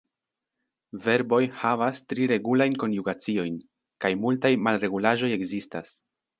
Verboj havas tri regulajn konjugaciojn, kaj multaj malregulaĵoj ekzistas.